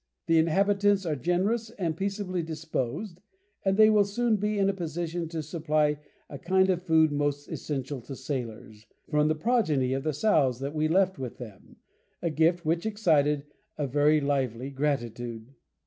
The inhabitants are generous and peaceably disposed, and they will soon be in a position to supply a kind of food most essential to sailors, from the progeny of the sows that we left with them, a gift which excited a very lively gratitude."